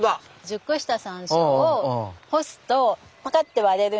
熟した山椒を干すとパカッて割れるんです。